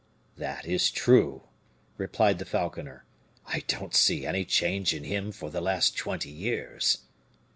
"That is true," replied the falconer. "I don't see any change in him for the last twenty years."